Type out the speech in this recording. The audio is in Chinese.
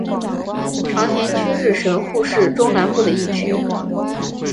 长田区是神户市中南部的一区。